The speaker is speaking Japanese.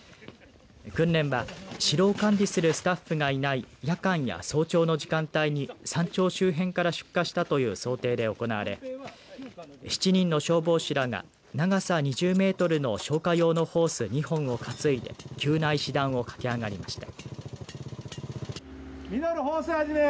訓練は城を管理するスタッフがいない夜間や早朝の時間帯に山頂周辺から出火したという想定で行われ７人の消防士らが長さ２０メートルの消火用のホース２本を担いで急な石段を駆け上がりました。